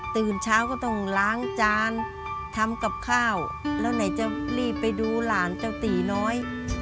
ตื่นเช้าก็ต้องล้างจานทำกับข้าวแล้วไหนจะรีบไปดูหลานเจ้าตีน้อย